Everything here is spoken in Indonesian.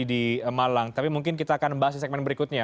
jadi di malang tapi mungkin kita akan membahas di segmen berikutnya